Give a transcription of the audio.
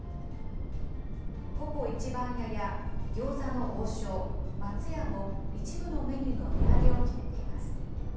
番屋や餃子の王将、松屋も、一部のメニューの値上げを決めています。